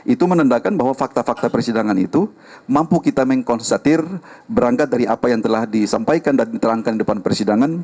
itu menandakan bahwa fakta fakta persidangan itu mampu kita mengkonsersatir berangkat dari apa yang telah disampaikan dan diterangkan di depan persidangan